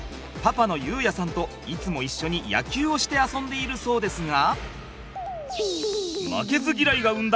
パパの裕也さんといつも一緒に野球をして遊んでいるそうですが。